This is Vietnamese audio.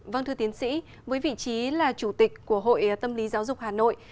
vâng thưa tiến sĩ với vị trí là chủ tịch của hội tâm lý giáo dục hà nội